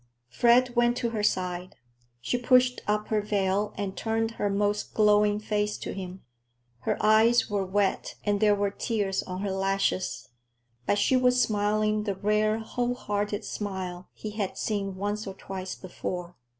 Fred went to her side. She pushed up her veil and turned her most glowing face to him. Her eyes were wet and there were tears on her lashes, but she was smiling the rare, whole hearted smile he had seen once or twice before.